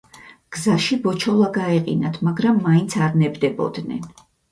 გზაში ბოჩოლა გაეყინათ, მაგრამ მაინც არ ნებდებოდნენ.